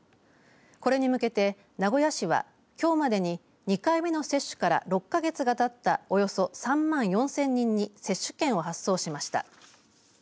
これに向けて名古屋市はきょうまでに２回目の接種から６か月がたったおよそ３万４０００人に接種券を発送しました。